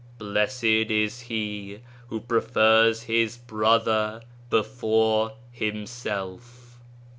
Blessed is he who prefers his brother before himself."